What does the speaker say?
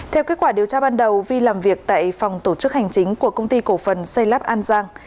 theo kết quả điều tra ban đầu vi làm việc tại phòng tổ chức hành chính của công ty cổ phần xây lắp an giang